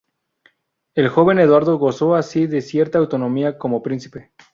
El joven Eduardo gozó así de cierta autonomía como príncipe.